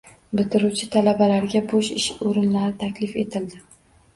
Bitiruvchi talabalarga bo‘sh ish o‘rinlari taklif etildi